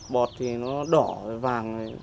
bọt thì nó đỏ và vàng này